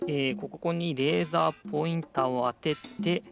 ここにレーザーポインターをあてて。